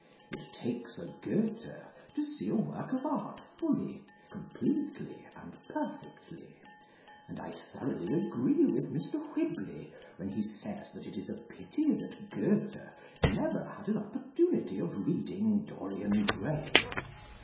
It takes a Goethe to see a work of art fully, completely and perfectly, and I thoroughly agree with Mr. Whibley when he says that it is a pity that Goethe never had an opportunity of reading "Dorian Gray."